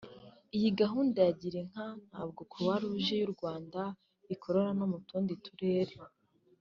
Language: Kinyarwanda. Iyi gahunda ya Gira inka ntabwo Croix Rouge y’u Rwanda iyikorera no mu tundi turere